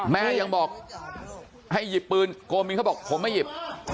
แม่ยังบอกให้หยิบปืนโกมินเขาบอกผมไม่หยิบ